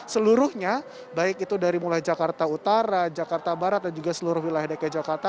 seluruhnya baik itu dari mulai jakarta utara jakarta barat dan juga seluruh wilayah dki jakarta